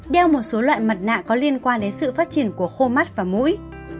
đeo một số loại mặt nạ có liên quan đến sự phát triển của khô mắt và mũi